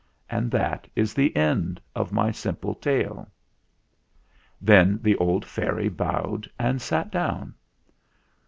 And that is the end of my simple tale." Then the old fairy bowed and sat down.